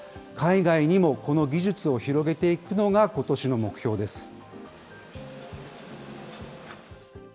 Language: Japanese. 海外にもこの技術を広げていくのがことしの目標です。